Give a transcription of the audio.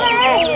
eh asap bu